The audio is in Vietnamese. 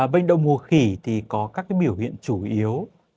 bệnh đậu mùa khỉ thì có các biểu hiện chủ yếu